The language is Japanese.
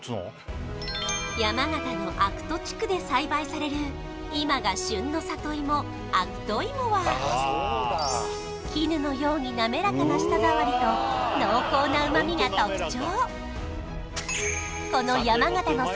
山形の悪戸地区で栽培される今が旬の里芋悪戸いもは絹のようになめらかな舌触りと濃厚な旨みが特徴